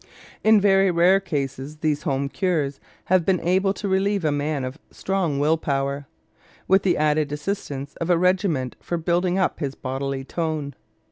In very rare cases these home cures have been able to relieve a man of strong will power, with the added assistance of a regimen for building up his bodily tone.